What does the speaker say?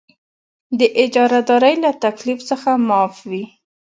د اجاره دارۍ له تکلیف څخه معاف وي.